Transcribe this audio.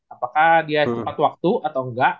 apakah dia cepat waktu atau enggak